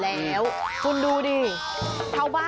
แล้วคุณดูก่อน